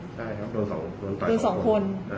ใช่ครับโดน๒คน